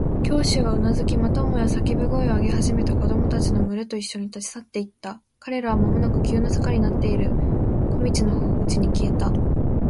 教師はうなずき、またもや叫び声を上げ始めた子供たちのむれといっしょに、立ち去っていった。彼らはまもなく急な坂になっている小路のうちに消えた。